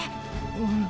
うん。